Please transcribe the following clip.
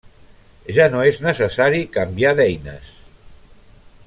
Ja no és necessari canviar d'eines.